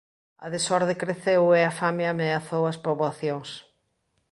A desorde creceu e a fame ameazou as poboacións.